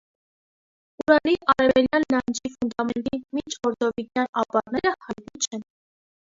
Ուրալի արևելյան լանջի ֆունդամենտի մինչօրդովիկյան ապարները հայտնի չեն։